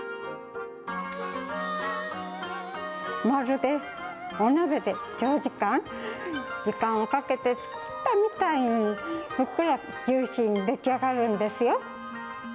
まるでお鍋で長時間、時間をかけて作ったみたいに、ふっくらジューシーに出来上がるんですよ。